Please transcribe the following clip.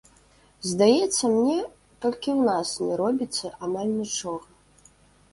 Здаецца мне, толькі ў нас не робіцца амаль нічога.